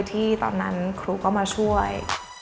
ที่ตอนนั้นครูก็มาช่วย